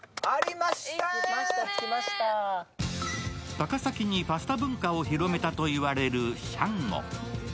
高崎にパスタ文化を広めたと言われるＳＨＡＮＧＯ。